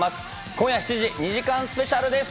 今夜７時、２時間スペシャルです！